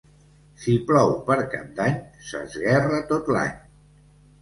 Si plou per Cap d'Any s'esguerra tot l'any.